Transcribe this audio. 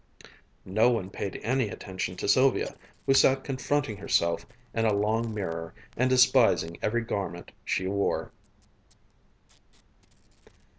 No one paid any attention to Sylvia, who sat confronting herself in a long mirror and despising every garment she wore.